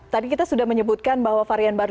tadi kita sudah menyebutkan bahwa varian baru